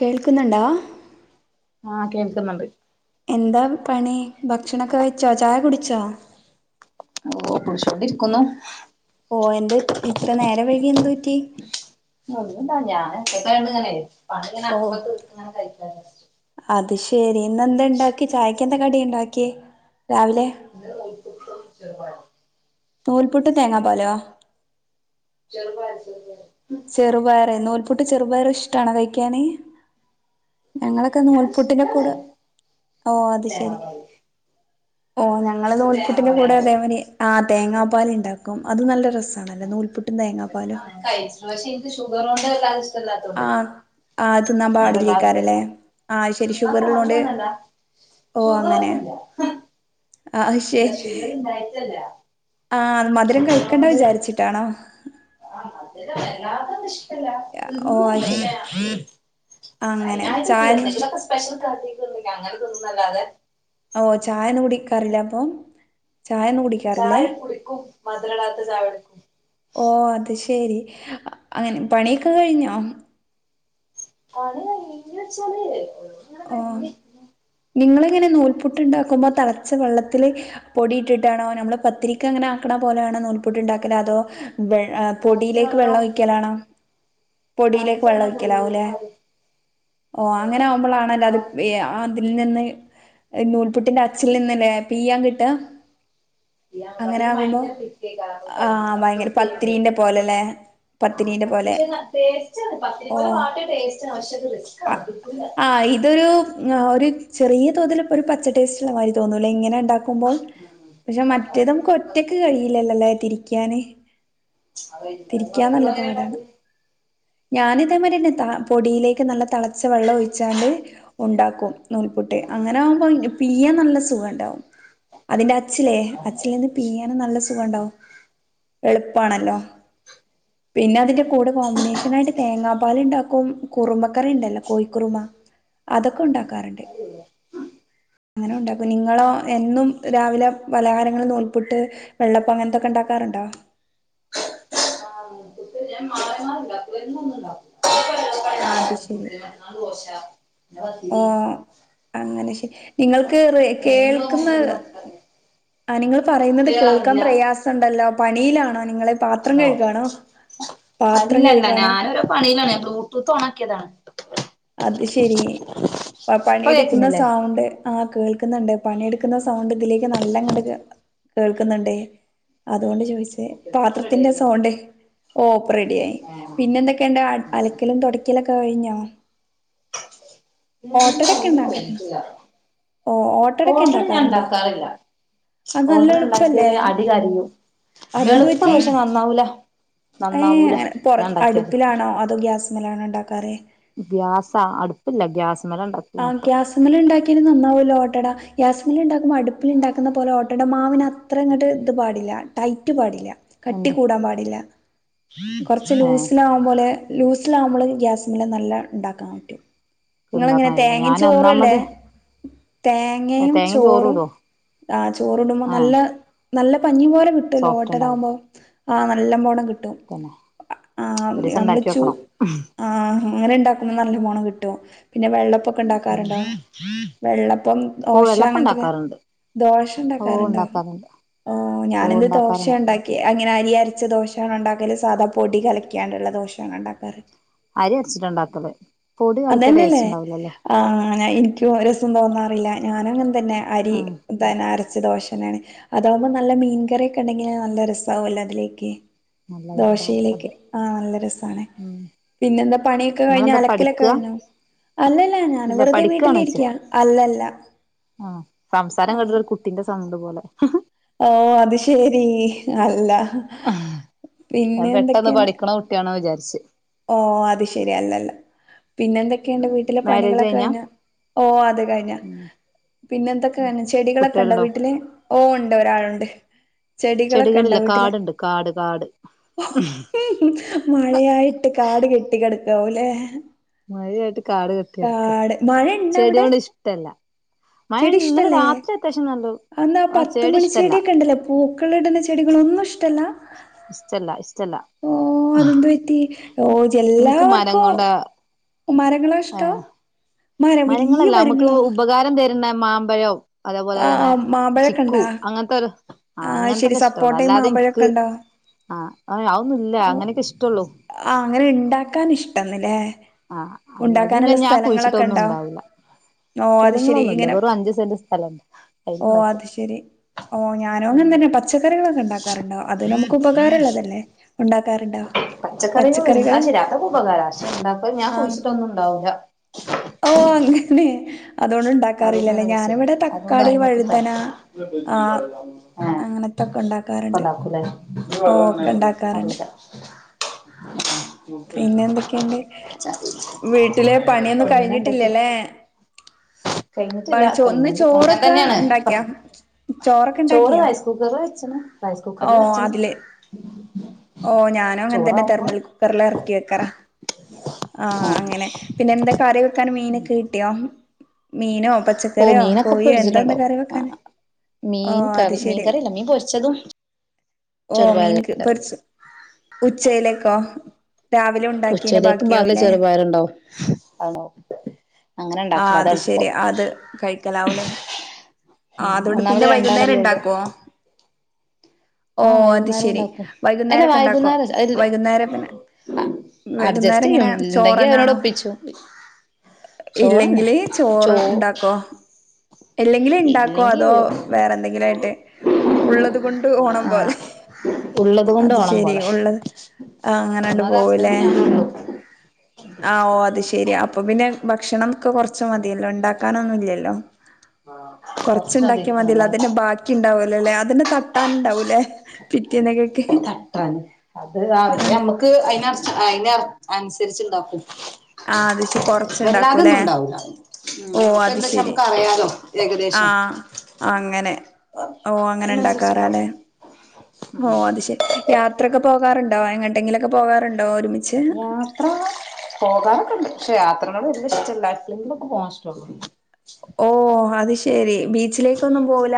കേൾക്കുന്നുണ്ടോ? ആഹ് കേൾക്ന്നുണ്ട് എന്താ പണി ഭക്ഷണക്കെ വെച്ചോ ചായ കുടിച്ചോ? ഓഹ് കുടിച്ചോണ്ടിരിക്കുന്നു ഓഹ് എന്ത് ഇത്ര നേരം വൈകി എന്ത്‌ പറ്റി? ഒന്നുല്ല ഞാൻ ഒറ്റക്കയോണ്ട് ഇങ്ങനെ പണിങ്ങനെ ഓ ആക്കമ്പോലെ തീർത്ത്ങ്ങനെ കഴിച്ചാലെ അത് ശെരി ഇന്ന് എന്തെ ഇണ്ടാക്കി ചായക്ക് എന്താ കടി ഇണ്ടാക്കി രാവിലെ? ഇന്ന് നൂൽപുട്ടും ചെറുപയറും നൂൽപുട്ടും തേങ്ങാ പാലോ? ചെറുപയർ, ചെറുപയർ ചെറുപയറ് നൂൽപുട്ടും, ചെറുപയറും ഇഷ്ടാണൊ കഴിക്കാന് ഞങ്ങളൊക്കെ നൂൽപുട്ടിന്റെ എനിക്കിഷ്ടാണ് കൂടെ ഓഹ് അത് ശെരി തേങ്ങാപ്പാല് ഓഹ് ഞങ്ങ ഞങ്ങള് ഇൻക്ക് നൂൽപുട്ടിന്റെ കൂടെ തേങ്ങാപ്പാലാലേ അതേമാരി ആഹ് തേങ്ങാപ്പാല് ഇണ്ടാക്കും അത് നല്ല രസ [unintelligible] ഷുഗറോണ്ട് വല്ലണ്ട് ഇഷ്ടല്ലാത്തോണ്ട് ആഹ് തിന്നാൻ പാടില്ലേക്കാരല്ലേ ആഹ് അത് ശെരി തിന്നാൻ ഷുഗറുള്ളോണ്ട് പാടില്ലാന്നല്ല ഓഹ് അങ്ങനെ ഷുഗറൊന്നുല്ല അത് അല്ല ശെരി ഷുഗർ ഇണ്ടായിട്ടല്ല ആഹ് മധുരം കഴിക്കണ്ട ഷുഗറോണ്ട് വിചാരിച്ചിട്ടാണോ? ആഹ് മധുരം വല്ലാത്ത [unintelligible] ഷ്ട്ടല്ല ഓ തിന്നും അത് ശരി പക്ഷേ അങ്ങനെ അയ്നായിട്ട് കൂല ചായൊന്നും എന്നെങ്കിലൊക്കെ [unintelligible] അങ്ങനെ തിന്നും ന്നല്ലാതെ ഓഹ് ചായന്നും കുടിക്കാറില്ലേ അപ്പം ചായന്നും കുടി ചായ കുടിക്കും മദ് രടാത്ത ചായ കുടുക്കും ഓഹ് അത് ശെരി അങ്ങനെ പണിക്കെ കഴിഞ്ഞോ? പണി കഴിഞ്ഞോ [unintelligible] ഓഹ് നിങ്ങളെങ്ങനെ നൂൽപുട്ട് ഉണ്ടാക്കുമ്പോ തളച്ച വെള്ളത്തില് പൊടിയിട്ടിട്ടാണോ നമ്മള് പത്തിരിക്ക് അങ്ങനെ ആക്ക്ണ പോലെയാണോ നൂൽപുട്ട് ഉണ്ടാക്കല് അതോ പൊടിയിലേക്ക് വെള്ളം ഒഴിക്കലാണോ? പൊടിയിലേക്ക് തിളച്ച വെള്ളം ഒഴിക്കലാവും പൊടിയിലേക്ക് ല്ലേ മാറും ഓഹ് അതെ അങ്ങനെ അതെ ആകുമ്പളാണല്ല അത് നിങ്ങളോ വ്യ ആ അതിൽ നിന്ന് നൂൽപുട്ടിന്റെ അച്ഛിൽ നിന്നല്ലേ പിഴിയാൻ കിട്ടാ അങ്ങനെ അതാണെങ്കിൽ ആകുമ്പോ ഭയങ്കര പിറ്റേക്കാരം നമുക്ക് ആഹ് കഴിയൂല ഭയങ്കര സ്ട്രെസ് ചെയ്യേണ്ടി വരും പത്തിരീന്റെ പോലലേ പത്തിരീന്റെ പോലെ ടേസ്റ്റ്ണ് പത്തിരി പോലെ വാട്ടിയാ ടേസ്റ്റ്ണ് പക്ഷേത്‌ ആഹ് ആഹ് ഇതൊരു ആഹ് ഒരു ചെറിയ തോതിൽ ഇപ്പ ഒരു പച്ച ടേസ്റ്റ് ഉള്ള മാതിരി തോന്നൂലേ ഇങ്ങനെ ണ്ടാക്കുമ്പോൾ ഉം പക്ഷെ അങ്ങനെ മറ്റേതമ്മക്ക് ഉണ്ടാക്കുമ്പോ അത് ഒറ്റക്ക് കഴിയില്ലല്ലോല്ലേ തിരിക്കാന് ഇങ്ങളെങ്ങനെ ഉണ്ടാക്കൽ ഞാനിതേ മാരി തന്നെ പൊടിയിലേക്ക് നല്ല തിളച്ച വെള്ളം ഒഴിച്ചാണ്ട് ഉണ്ടാക്കും നൂൽപുട്ട് ആ അങ്ങനെ അത് ആകുമ്പോ പിഴിയാൻ നല്ല സുഖണ്ടാവും അതിന്റെ അച്ചിലേ അച്ചില് ഉണ്ടാവും. നിന്ന് പിഴിയാനും നല്ല ആ സുഖണ്ടാവും എളുപ്പാണല്ലോ പിന്നെ അതിന്റെ കൂടെ കോമ്പിനേഷൻ ആയിട്ട് തേങ്ങാ പാൽ ഉണ്ടാക്കും കുറുമക്കറി ഉണ്ടല്ലോ കോഴിക്കുറുമ അതൊക്കെ ഉണ്ടാക്കാറുണ്ട് അതേ ഉള്ളൂ അങ്ങനെ ഉണ്ടാക്കും നിങ്ങളോ എന്നും രാവിലെ പലഹാരങ്ങളിൽ നൂൽപുട്ട് വെള്ളപ്പം അങ്ങനത്തൊക്കെ ഉണ്ടാക്കാറുണ്ടോ? ആഹ് നൂൽപുട്ട് ഞാൻ മാറി [unintelligible] ഉണ്ടാക്കും അത് ശരി നാല് ദോശ പിന്നെ പത്തിരി ഓഹ് അങ്ങനെ ശരി നിങ്ങൾക്ക് റേ എന്നും കേൾക്കുന്ന നമുക്കൊരു മടുപ്പല്ലേ ആഹ് നിങ്ങൾ പറയുന്നത് ക്ലിയർ കേൾക്കാൻ ആവുന്നില്ല പ്രയാസണ്ടല്ലോ പണിയിലാണോ നിങ്ങള് പാത്രം ഉണ്ടോ കഴുകാണോ പാത്രം കഴുകാണോ പണിയിലല്ല ബ്ലൂടൂത്ത് ഓണക്കിയതാണ് അത് ശരി അപ്പം ഇപ്പൊ പണിയെടുക്കുന്ന കേൾക്കുന്നില്ലേ സൗണ്ട് ആഹ് കേൾക്കുന്നുണ്ട് പണിയെടുക്കുന്ന സൗണ്ട് ഇതിലേക്ക് നല്ലങ്ങണ്ട് കേൾക്കുന്നുണ്ട് അതുകൊണ്ട ചോയിച്ചേ ഓക്കെ ഓക്കെ ഇപ്പൊ റെഡി പാത്രത്തിന്റെ ആയില്ലേ സൗണ്ട് ഓഹ് ഇപ്പ റെഡി ആയി ആഹ് പിന്നെ എന്തൊക്കെ ക്കെണ്ട്‌ അലക്കലും തൊടക്കലൊക്കെ കഴിഞ്ഞോ ഇല്ല ഒന്നും [unintelligible] ട്ടില്ല ഓഹ് ഓട്ടട ഞാൻ ഉണ്ടാക്കാറില്ല അത് നല്ല ഓട്ടട ഉണ്ടാക്കിയാൽ എളുപ്പല്ലേ അടി കരിയും അതെന്ത് എളുപ്പ പറ്റി പക്ഷെ നന്നാവൂല ഏഹ് നന്നാവൂല അങ്ങനെ പൊറ ഞാൻ ഉണ്ടാക്കിയാല് അടുപ്പിലാണോ അതോ ഗ്യാസ്മെലാണോ ഉണ്ടാക്കാറ് ഗ്യാസാ അടുപ്പില്ല ഗ്യാസ്മല ഇണ്ടാക്ക ആഹ് ഗ്യാസ് ഇങ്ങള് ഉണ്ടാക്കിയാലും നന്നാവോല്ലോ ഓട്ടട ഗാസ്മല് ഉണ്ടാക്കുമ്പോ അടുപ്പിൽ ഇണ്ടാക്കുന്ന പോലെ ഓട്ടട മാവിന് അത്ര ഇങ്ങട്ട് ഇത് പാടില്ല ടൈറ്റ് പാടില്ല കട്ടി എന്ത് കൂടാൻ പാടില്ല കൊറച്ച് ഏഹ് ലൂസ് [unintelligible] പോലെ ലൂസിലാവുമ്പള് ഗ്യാസ്മ്മലും നല്ല ഉണ്ടാക്കാൻ പറ്റും ഇക്ക് ഉണ്ടാക്കാൻ കഴിയൂല തേങ്ങേ ചോറുല്ലേ തേങ്ങയും തേങ്ങ ചോറും ചോറൂടോ ആഹ് ചോറ് ഇടുമ്പോ ആഹ് നല്ല നല്ല പഞ്ഞി പോലെ കിട്ടൊല്ലോ സോഫ്റ്റ് ഉണ്ടാവില്ല ഓട്ടടാവുമ്പം ആഹ് നല്ലവോണം കി ട്ടും പിന്നെ ആഹ് ഒരു ദിവസം നമ്മള് ഉണ്ടാക്കി ചു വെക്കണം ആഹ് അങ്ങനെണ്ടാക്കുന്ന നല്ല പോണം കിട്ടും പിന്നെ ഉം വെള്ളപ്പൊക്കെണ്ടാക്കാറുണ്ടോ. വെള്ളപ്പം ഓ ഓശ വെള്ളപ്പം അങ്ങനത്തൊക്കെ ഉണ്ടാക്കാറുണ്ട് ഓ ദോശണ്ടാക്കാറുണ്ടൊ. ഉണ്ടാക്കാറുണ്ട് ഓഹ് ഓ ഞാന് ന്ന് ദോശയ ഉണ്ടാക്കാറുണ്ട് ഉണ്ടാ ക്കി അങ്ങനെ അരി അരച്ച ദോശയാണോ ഉണ്ടാക്കല് സാധാ പൊടി കലക്ക്യാണ്ട്ള്ള ദോശയാണോ ഉണ്ടാക്കാറ്. അരി അരച്ചിട്ടാ ഇണ്ടാക്കല്. അതന്നെല്ലേ ആഹ് ഞ എനിക്കും രസം തോന്നാറില്ല ഞാനു അങ്ങൻതന്നെ അരി. ആഹ് ഇതന്നെ അരച്ച ദോശന്നെണ്. അതാവുമ്പൊ നല്ല മീൻകറിയൊക്കെണ്ടെങ്കില് നല്ല രസാവൊല്ലൊ അതിലേക്ക്. നല്ല രസാവും ദോശയിലേക്ക് അതെ ആഹ് നല്ല രസാണ് ഉം പിന്നെന്താ പണിയൊക്കെ കഴിഞ്ഞാ നിങ്ങളെന്താ അല പഠിക്കുക കഴിഞ്ഞാ അല്ലല്ല ഞാൻ ഇല്ല വെറുതെ പഠിക്കുകയാണ് ചോദിച്ചേ വീട്ടിലിരിക്കയാ അല്ലല്ല ക ആഹ് സംസാരം കേട്ടിട്ട് ഒരു കുട്ടിന്റെ സൗണ്ട് പോലെ. ഓഹ് അത് ശരി അല്ല. ഞാൻ പിന്നെ പെട്ടന്ന് പഠിക്കണ കുട്ട്യാണോ വിചാരിച്ച്. ഓഹ് അത് ശരി അല്ലല്ല പിന്നെന്തെ ക്കേണ്ട് വീട്ടിലെ മാരേജ് പണികളൊക്കെ കഴിഞ്ഞാ കഴിഞ്ഞ ഓഹ് അത് കഴിഞ്ഞ. ഉം പിന്നെന്തൊക്കെണ് ചെടികളൊക്കെണ്ടോ കുട്ടികളുണ്ടോ വീട്ടില് ഓഹ് ഉണ്ട് ഒരാളുണ്ട്. ചെടികളൊക്കെണ്ടൊ ചെടികളില്ല വീട്ടില്. കാടുണ്ട് കാട് കാട് മഴയായിട്ട് കാട് കെട്ടി കിടക്കാവുലേ. മഴയായിട്ട് കാട് കെ കാട് മഴണ്ടവിടെ. മഴ ഇന്നലെ ചെടിഷ്ടല്ലേ രാത്രി അത്യാവശ്യം നല്ല അന്നാ ആ ചെടി പത്തുമണി ഇഷ്ടല്ല ചെടിയൊക്കെണ്ടല്ലോ. പൂക്കള്ടുന്ന ചെടികളൊന്നും ഇഷ്ടല്ല. ഇഷ്ടല്ല ഇഷ്ടല്ല. ഓഹ് അതെതു പറ്റി ഓഹ് എനിക്ക് മരം ജെല്ലാവർക്കും. കൊണ്ട മരങ്ങളാ ഏ ഇഷ്ട്ടം മര വല്ല്യ മരങ്ങളോ. ഇന്ന മാമ്പഴൊ അതേപോലെ തന്നെ ആഹ് മാമ്പഴൊക്കെ ചിക്കു ഇണ്ടാ അങ്ങനത്തൊരു ആഹ് ശരി അങ്ങനത്തോക്കെഇഷ്ടള്ളു സപ്പോട്ടയും അല്ലാതെ ഇനിക്ക് മാമ്പഴൊക്കെ ഉണ്ടോ ആഹ് അതൊന്നുല്ല ഓ അങ്ങനെയൊക്കെ ഇഷ്ടള്ളു. ആഹ് അങ്ങനെ ഇണ്ടാക്കാൻ ഇഷ്ടന്ന്ലേ. ആ അല്ലാതെ ഉണ്ടാക്കാനുള്ള ഞാൻ കുഴിച്ചിട്ടൊന്നും സ്ഥലങ്ങളൊക്കെണ്ടോ. ഉണ്ടാവൂല്ല ഓഹ് അത് ശരി സ്ഥലങ്ങളൊന്നുല്ല ഇങ്ങനെ വെറും അഞ്ച് സെന്റ് സ്ഥലണ്ട് ഓഹ് അയിലുണ്ടാക്കും അത് ശരി. ഓഹ് ഞാനും അങ്ങൻതന്നെ പച്ചക്കറികളൊക്കെ ഉണ്ടാക്കാറുണ്ടോ അത് നമുക്ക് ഉപകാരള്ളതല്ലേ. ഉണ്ടാക്കാറ്. പച്ചക്കറികള് അത് ശര്യാ അതൊക്കെ ഉപകാര പക്ഷേ ഇണ്ടാക്ക ഞാൻ കുഴിച്ചിട്ടൊന്നും ഉണ്ടാവുല. ഓഹ് അങ്ങനെ. അതുകൊണ്ട് അതുകൊണ്ട് ഉണ്ടാക്കാറില്ലല്ലേ നല്ല ഞാനിവിടെ [unintelligible] അതും [unintelligible] തക്കാളി വഴുതന ഏഹ് ആഹ് അങ്ങനത്തൊക്കെ ഉണ്ടാക്കാറുണ്ട് ഒക്കണ്ടാക്കുലേ ഓ ഒക്കെ ഉണ്ടാക്കാറുണ്ട് അറിയില്ല. പിന്നെ എന്തൊക്കെയുണ്ട് വീട്ടിലെ പണിയൊന്നും പിന്നെന്തൊക്കെ. കഴിഞ്ഞിട്ടില്ലല്ലേ കഴിഞ്ഞിട്ടില്ല പണി ചോ ഇന്ന് കഴിഞോണ്ടിരിക്കാണ് ചോറൊക്കെ ഇങ്ങൻതന്നെണ് ഉണ്ടാക്കിയാ ചോറൊക്കെ ചോറ് ഉണ്ടാക്കിയാ കഴി കുകറ് വെച്ച്ണ് റൈസ് കുക്കറില് വെച്ച്ണ്. ഓഹ് ഞാനും അങ്ങനെ തന്നെ ചോറാവുമ്പോ തെർമൽ കുക്കറ്ല് ഇറക്കി വെക്കാറാ ആഹ് അങ്ങനെ. പിന്നെ എന്ത കറി വെക്കാന് മീനൊക്കെ കിട്ടിയോ മീനോ പ ഓ ച്ചക്കറിയോ മീനൊക്കെ കോയിയോ എന്താന്ന് ഫ്രിഡ്ജിലുണ്ടാവും കറി വെക്കാന് ആഹ് ആ മീൻ അത് കറി മീൻ ശരി. കറിയല്ല മീൻ പൊരിച്ചതും ഓഹ് മീൻ ചെറുപയറുകറി പൊരിച്ച് ഉച്ചയിലേക്കോ രാവിലെ ഉണ്ടാക്കിയതിന്റെ ഉച്ചയിലേക്ക് ബാക്കി ബാക്കിയാവൂലേ ചെറുപയറുണ്ടാവും ആണോ അങ്ങനെ ആഹ് ഉണ്ടാക്കില്ല അതാ അത് ശെരി എളുപ്പം അത് കയ് ക്കലാവൂലെ ഉം ആഹ് അതുകൊണ്ട് ഒന്നാമത് പിന്നെ വൈകുന്നേരം രണ്ടാളല്ലേ ഉള്ളൂ ഇണ്ടാക്കോ ആഹ് ഓഹ് അത് വൈകുന്നേരം ശെരി ഉണ്ടാക്കും അല്ല വൈകുന്നേരൊ ക്കെണ്ടാക്കോ വൈകുന്നേരം അല്ല വൈകുന്നേരത്തിന് വൈകുന്നേരം അഡ്ജസ്റ്റ് ഇങ്ങനെ ചെയ്യും ഉണ്ടെങ്കി അവനോട് ചോറന്നാണൊ ഒപ്പിച്ചു ചോറന്നെ ഇല്ലെങ്കില് ചോ ചോറ്ണ്ടാക്കോ ഇല്ലെങ്കില് ണ്ടാക്കോ ഇല്ലെങ്കി അതോ വേറെ എന്തെങ്കിലും ആയിട്ട് ഉള്ളത് കൊണ്ട് ഓണം ആഹ് പോലെ ഉള്ളത് കൊണ്ട് ഓണം ശെരി പോലെ ഉള്ളത് ആഹ് അങ്ങനണ്ട് ഒന്നാമത് പോവൂല്ലേ ഹസ്ബൻഡ് ഞാനുള്ളൂ ആഹ് ഓഹ് അത് ശെരി അപ്പൊ പിന്നെ ഭക്ഷണം- കൊറച്ച് മതിയല്ലൊ ഉണ്ടാക്കാനൊന്നും ഇല്ലല്ലൊ കൊറച്ച് കൊറച്ചുണ്ടാക്കിയ മതില്ലൊ അത മതിണ്ടാവും ന്നെ ബാക്കി ക്കി ഒണ്ടാവോലല്ലെ അതിന്റെ തട്ടാനുണ്ടാവൂല്ലേ തട്ടാന് അത് രാവിലെ അതെ അമ്മ- ക്ക് അയ്അയ് ന നുസരിച്ചുണ്ടാക്കും ആഹ് അത് ശരി വല്ലാതൊന്നും കൊറച്ചുണ്ടാക്കൂല്ലേ ഉണ്ടാവൂല ഉം ഓ നമ്മക്ക് അത് എന്താച്ച ശരി നമ്മക്ക റിയാലോ ഏകദേശം ആഹ് അങ്ങനെ ഓഹ് അങ്ങനെ ണ്ടാക്കറിയാല്ലെ അതിനനുസരിച്ചുണ്ടാക്കും ഓഹ് അത് ശെരി യാത്രക്കെ പോകാറുണ്ടോ എങ്ങോട്ടെങ്കിലൊക്കെ പോകാറുണ്ടോ ഒരുമി യാത്ര പോകാറൊക്കെ ഉണ്ട് പക്ഷെ യാത്രനോട് വല്യ ഇഷ്ടല്ല. എപ്പളെങ്കിലൊക്കേ പോകാൻ ഇഷ്ട്ടൊള്ളു. ഓഹ് അത് ശെരി ബീച്ചിലേക്കൊന്നും പോവൂല?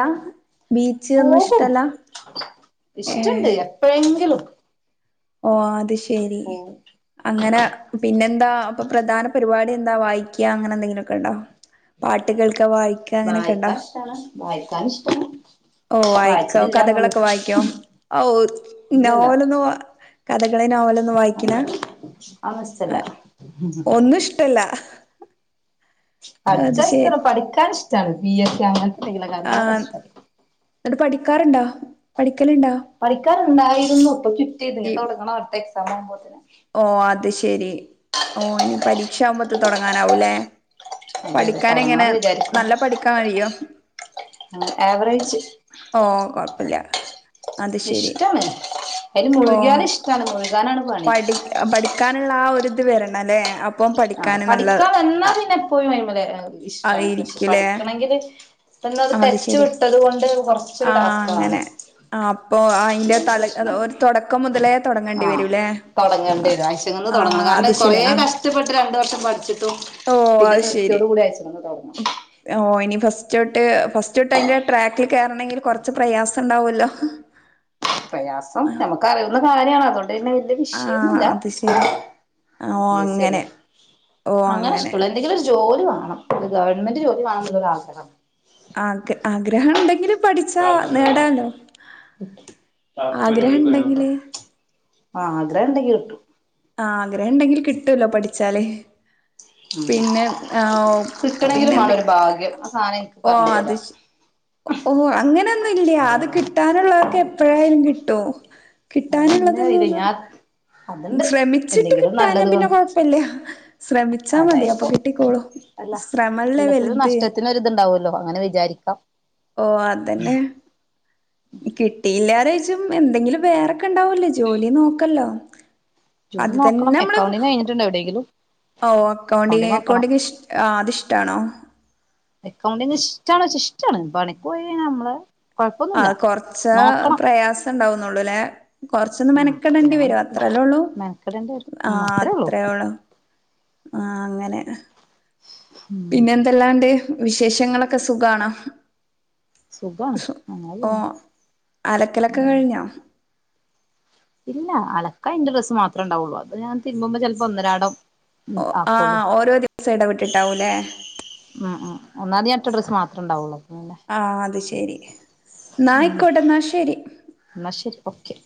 ബീച്ച് ഒന്നും പോകും ഇഷ്ടല്ല ഏഹ് എപ്പഴെങ്കിലും. ഓഹ് അത് ശെരി പോകും അങ്ങന പിന്നെന്താ അപ്പൊ പ്രധാന പരിപാടി എന്താ വായിക്കുക അങ്ങനെ എന്തെങ്കിലുക്കെ ഉണ്ടൊ പാട്ട് കേൾക്കാ വായിക്കാ വായിക്കാൻ ഇഷ്ടാണ് വായിക്കാൻ ഇഷ്ടാണ് ഓഹ് വായിക്കോ വായിച്ചലില്ലാന്നുള്ളു കഥകളൊക്കെ വായിക്കോ ഔ ഇല്ലല്ല നോവലൊന്നും- കഥകളെ നോവലൊന്നും വായിക്കില്ലാ അതൊന്നും ഇഷ്ടല്ല ഒന്നും ഇഷ്ടല്ല അത് പഠിച്ചാഷ്ടാണ് ശരി പഠിക്കാനിഷ്ടാണ് പി എസ് സി അങ്ങന ആഹ് ന്നിട്ട് പഠിക്കാറുണ്ടൊ പഠിക്കലുണ്ടൊ? പഠിക്കാറുണ്ടായിരുന്നു ഇപ്പൊ ചുറ്റിയതില്ലെ തൊടങ്ങണം അടുത്ത എക്സാം ആവുമ്പോത്തിന് ഓഹ് അത് ശെരി ഓഹ് ഇനി പരീക്ഷാകുമ്പത്തെ തൊടങ്ങാനാവൂല്ലേ അതെ അതെ പഠിക്കാനെങ്ങനെ തൊടങ്ങണംന്ന് വിചാരിക്കും നല്ല പഠിക്കാൻ കഴിയൊ? ആവറേജ് ഓഹ് കൊഴപ്പില്ല അത് ശരി ഇഷ്ടാണ് അതില് ഓ മുഴുക്യാൽ ഇഷ്ടാണ് മുഴുകാനാണ്- പണി പഠി പഠിക്കാനുള്ള ആഹ് ഒരിത് വരണം അല്ലേ അ- ആഹ് പഠിക്കാൻ വന്നാ പിന്നെ എപ്പോഴും അയ്മല് ആ ഇഷ്ടാണ് പക്ഷെ ഇരിക്കൂലേ പഠിക്കണങ്കില് പെട്ടെന്നത് അത് ടച്ച് ശെരി വിട്ടത് കൊണ്ട് കൊറച്ചൊരു ടാസ്ക്കാണ് ആഹ് അപ്പൊ അയിന്റെ തല ഒരു തൊടക്കം മുതലേ തൊടങ്ങെണ്ടി ആ വരൂല്ലേ ആ തൊടങ്ങേണ്ടി വരും അശെനിന്ന് ആ തൊടങ്ങണം അത് കാരണം ശരി കൊറേ ആ കഷ് - ടപ്പെട്ട് രണ്ടു വർഷം പഠിച്ചിട്ടും ഓ പിന്നെ നൃത്തിയോട് കൂടി അയച്ചിടന്ന് തൊടങ്ങണം ഓഹ് ഇനി ഫസ്റ്റ് തൊട്ട് ഫസ്റ്റ് തൊട്ട് അതിന്റെ ട്രാക്കിൽ കേറണെങ്കിൽ കൊറച്ച് പ്രയാസം ഉണ്ടാവല്ലോ പ്രയാസം നമുക്കറിയുന്ന കാര്യണ അതുകൊണ്ട് വല്ല്യ ആ വിഷയന്നല്ല അത് ശരി ഓ പി എസ് സി അങ്ങനെ അല്ലേ ഓ അങ്ങനെ എന്തെങ്കിലൊരു ജോലി വേണം ഒരു ഗവൺമെന്റ് ജോലി വേണംന്നുള്ളൊരു ആഗ്രഹം ആഗ ആഗ്രഹം ഉണ്ടെങ്കിലും പഠിച്ചാ താത്തണ്ടോ അവിടെ നേടാലോ താത്ത ആഗ്രഹം ഉണ്ടെങ്കിലേ ആഹ് ആഗ്രഹണ്ടയ് കിട്ടു ആ ആഗ്രഹം ഉണ്ടെങ്കിൽ കിട്ടല്ലോ പഠിച്ചാല് ഉം പിന്നെ ആഹ പിന്നെ കിട്ടണെങ്കിലും വേണം ഒരു എന്തൊക്കെ ഭാഗ്യം ആ സാധനം എനിക്ക് ഓ പറഞ്ഞിട്ടില്ല അത് ഓ അങ്ങനെയൊന്നും ഇല്ല അത് ആഹ് കിട്ടാനുള്ളവർക്ക് എപ്പോഴായാലും കിട്ടും അതെന്നെ അറിയില്ല കിട്ടാനുള്ളതെന്നന്ന് ഞാൻ അതുണ്ട് ശ്രമിച്ചിട്ട് എന്തെങ്കിലും കിട്ടാഞ്ഞ നല്ലത് പിന്നെ കൊണ്ട് കൊഴപ്പില്ല ശ്രമിച്ചാ മതി അപ്പൊ അതായിരിക്കും കിട്ടിക്കോളൂ ശ്രമല്ലേ വലുത് തുണ്ടാവല്ലോ അങ്ങനെ വിചാരിക്കും ക്ക ഓ അതന്നെ കിട്ടിയില്ലാരച്ചും എന്തെങ്കിലും വേറെക്കെ ഉണ്ടാവല്ലേ ജോലി നോക്കല്ലോ അത് തന്നെ നമ്മള് എവിടെങ്കിലും ഓ അക്കൗണ്ടിങ്ങ് അക്കൗണ്ടിങ്ങ് ഇഷ അത്ഷ്ടാണോ? അക്കൗണ്ടി ഇഷ്ടണച്ച ഇഷ്ടാണ് പണിക്ക്‌ പോയി കഴിഞ്ഞാൽ നമ്മള് ആ കൊഴപ്പൊന്നുമില്ല കൊറച്ച നോക്കണം പ്രയാസം ഉണ്ടാവുന്നുള്ളൂ ല്ലെ കുറച്ചൊന്ന് ഉം പിന്നെ മെനക്കെടേണ്ടി അങ്ങനെ വരും അത്രല്ലേ ഉള്ളൂ മെനക്കെടേണ്ടി വരും ആഹ ഉം അത്രേ ഉള്ളൂ അത്ര ഉള്ളു ആഹ് അങ്ങനെ ഉം പിന്നെ എന്തെല്ലാണ്ട് വിശേഷങ്ങളൊക്കെ സുഖണോ? സുഖാണ് അങ്ങനെ ഓ പോണ് അലക്കലൊക്കെ കഴിഞ്ഞോ? ഇല്ല അലക്ക ഇന്റെ ഡ്രസ്സ് മാത്രേ ഉണ്ടാവുള്ളൂ അത് ഞാ തിരുപുമ്പോ ചിലപ്പോ ഒന്നരാടം ഉം ആ ആക്കുള്ളൂ ഓരോ ദിവസം ഇടവിട്ടിട്ടാവൂല്ലേ? ഉം ഉം ഒന്നാമതിഞട്ട ഡ്രസ് മാത്രമ ഉണ്ടാവള്ളൂ ആഹ് അത് ശെരി ന്നാ യിക്കോട്ട എന്നാ ശരി ന്നാ ശരി ഓക്കെ